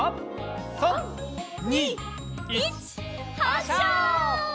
３２１はっしゃ！